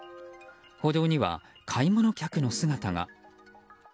歩道には、買い物客の姿が。